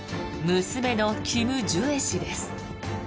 娘のキム・ジュエ氏です。